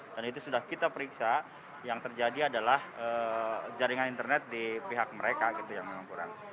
dan itu sudah kita periksa yang terjadi adalah jaringan internet di pihak mereka yang memang kurang